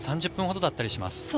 ３０分ほどだったりします。